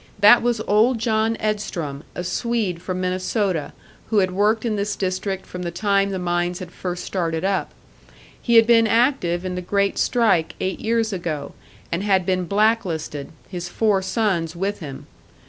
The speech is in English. That was old John Edstrom, a Swede from Minnesota, who had worked in this district from the time the mines had first started up. He had been active in the great strike eight years ago, and had been black listed, his four sons with him.